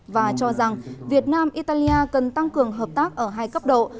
và cho rằng việt nam italia cần tăng cường hợp tác ở hai cấp độ